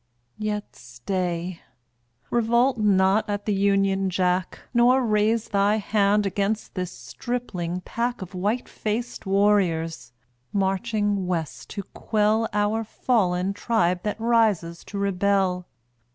Yet stay. Revolt not at the Union Jack, Nor raise Thy hand against this stripling pack Of white faced warriors, marching West to quell Our fallen tribe that rises to rebel.